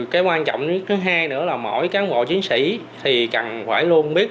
cái quan trọng nhất thứ hai nữa là mỗi cán bộ chiến sĩ thì cần phải luôn biết